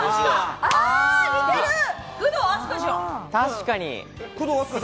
確かに。